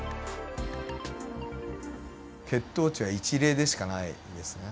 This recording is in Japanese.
血糖値は一例でしかないですね。